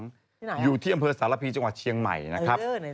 อยู่ที่อำเภอสารพีจังหวัดเชียงใหม่นะครับ